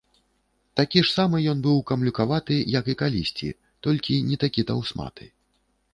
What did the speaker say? Такі ж самы ён быў камлюкаваты, як і калісьці, толькі не такі таўсматы.